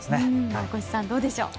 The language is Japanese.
大越さん、どうでしょう。